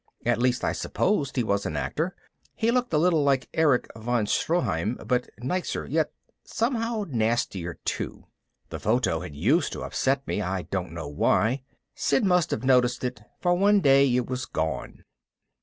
At least I supposed he was an actor. He looked a little like Erich von Stroheim, but nicer yet somehow nastier too. The photo had used to upset me, I don't know why. Sid must have noticed it, for one day it was gone.